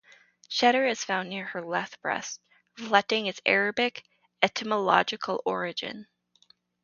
Schedar is found near her left breast, reflecting its Arabic etymological origin.